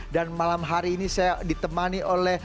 dan malam hari ini saya akan berbicara tentang korupsi